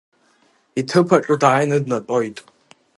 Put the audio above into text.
Иҭыԥаҿы дааины днатәоит.